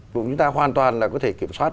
và chúng ta hoàn toàn là có thể kiểm soát